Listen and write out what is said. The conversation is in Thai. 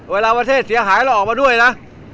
เวลาประเทศเสียหายเราออกมาด้วยนะ